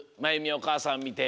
おかあさんみて。